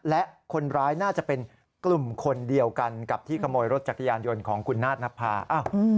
และคนร้ายน่าจะเป็นกลุ่มคนเดียวกันกับที่ขโมยรถจักรยานยนต์ของคุณนาฏนภา